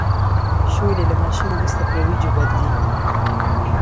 شولې له ماشین وروسته په وریجو بدلیږي.